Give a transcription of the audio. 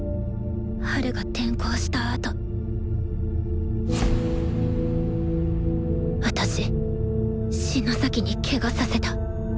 ハルが転校したあと私篠崎にケガさせた。